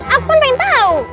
aku kan pengen tau